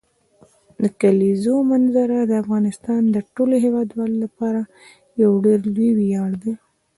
د کلیزو منظره د افغانستان د ټولو هیوادوالو لپاره یو ډېر لوی ویاړ دی.